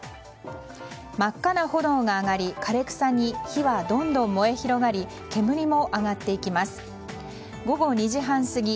真っ赤な炎が上がり枯草に火はどんどん燃え広がり煙も上がっていきます。